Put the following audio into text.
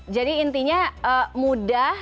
jadi intinya mudah